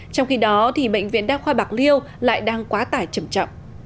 trong khi đó bệnh viện đa khoa bạc liêu lại đang quá tải trầm trọng